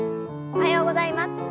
おはようございます。